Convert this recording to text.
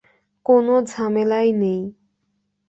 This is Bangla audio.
কোন ঝামেলায় নেই।